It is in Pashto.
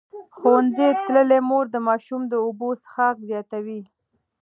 ښوونځې تللې مور د ماشوم د اوبو څښاک زیاتوي.